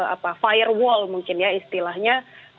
apa firewall mungkin ya istilahnya